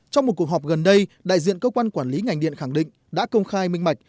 trong một cuộc họp gần đây đại diện cơ quan quản lý ngành điện khẳng định đã công khai minh bạch